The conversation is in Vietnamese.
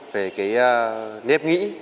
về cái nếp nghĩ